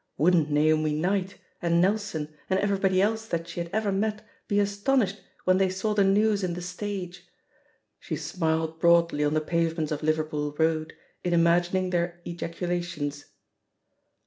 ..• Wouldn't Naomi Knight, and Nelson, and ieverybody else that she had ever met be aston ished when they saw the news in The Stage! She smiled broadly on the pavements of Liverpool Road in imagining their ejaculations.